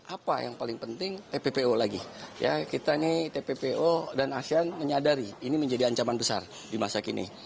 apa yang paling penting tppo lagi kita ini tppo dan asean menyadari ini menjadi ancaman besar di masa kini